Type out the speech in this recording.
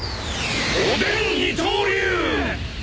おでん二刀流！